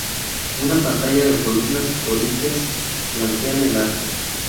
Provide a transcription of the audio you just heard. Una pantalla de columnas corintias flanquean el arco.